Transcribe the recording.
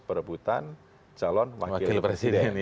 perebutan calon pakil presiden